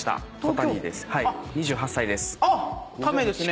タメですね。